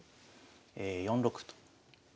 ４六歩と。